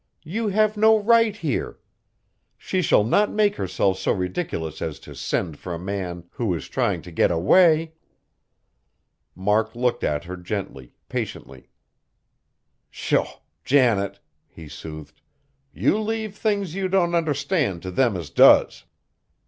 You have no right here! She shall not make herself so ridiculous as to send for a man who is trying to get away!" Mark looked at her gently, patiently. "Sho! Janet," he soothed, "you leave things you don't understand t' them as does.